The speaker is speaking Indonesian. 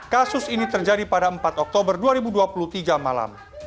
kasus ini terjadi pada empat oktober dua ribu dua puluh tiga malam